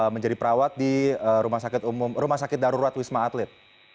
menjadi perawat di rumah sakit darurat wisma atlet